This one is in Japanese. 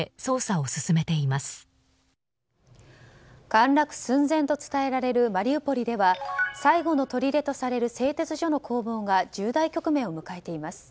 陥落寸前と伝えられるマリウポリでは最後のとりでとされる製鉄所の攻防が重大局面を迎えています。